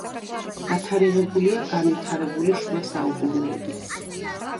დათარიღებულია განვითარებული შუა საუკუნეებით.